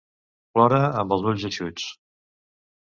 Plorar amb els ulls eixuts.